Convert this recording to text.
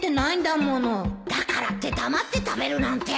だからって黙って食べるなんて